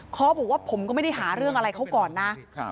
เขาบอกว่าผมก็ไม่ได้หาเรื่องอะไรเขาก่อนนะ